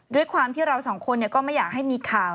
ด้วยความที่เราสองคนก็ไม่อยากให้มีข่าว